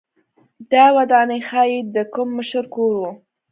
دا ودانۍ ښايي د کوم مشر کور و